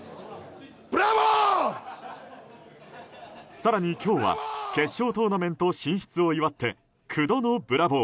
更に、今日は決勝トーナメント進出を祝って９度のブラボー。